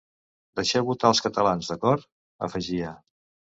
Deixeu votar els catalans, d’acord?, afegia.